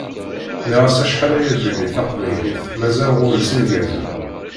Nniɣ-as acḥal aya belli taqbaylit mazal ɣur-s irgazen